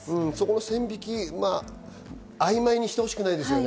線引きを曖昧にしてほしくないですよね。